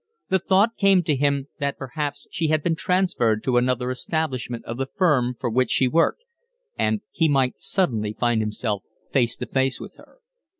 The thought came to him that perhaps she had been transferred to another establishment of the firm for which she worked, and he might suddenly find himself face to face with her.